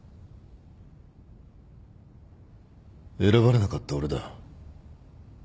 選ばれなかった俺だ。